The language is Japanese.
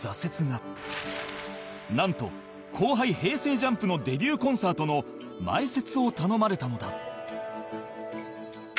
ＪＵＭＰ のデビューコンサートの前説を頼まれたのだ